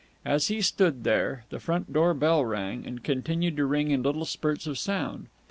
As he stood there, the front door bell rang, and continued to ring in little spurts of sound.